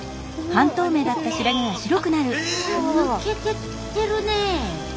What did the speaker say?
抜けてってるねえ。